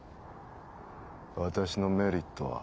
私のメリットは？